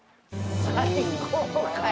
最高かよ